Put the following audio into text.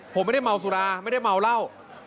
ผมไม่ได้เมาสุราไม่ได้เมาเหล้า